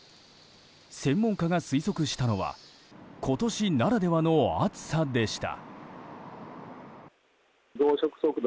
専門家が推測したのは今年ならではの暑さでした。